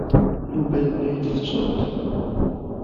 Yuba yenna-yi-d tettruḍ.